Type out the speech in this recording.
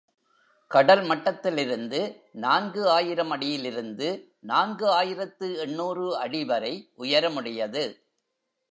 கடல் மட்டத்திலிருந்து நான்கு ஆயிரம் அடியிலிருந்து நான்கு ஆயிரத்து எண்ணூறு அடிவரை உயரமுடையது.